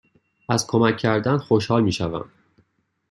از کمک کردن خوشحال می شوم.